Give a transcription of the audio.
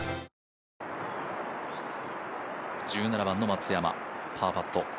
１７番の松山、パーパット。